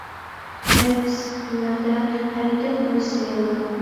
بەك ئىسسىق كۈنلەردە ھەرىكەت قىلىش زىيانلىق.